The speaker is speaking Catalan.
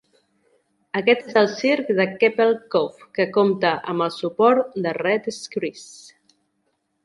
Aquest és el circ de Kepple Cove, que compta amb el suport de Red Screes.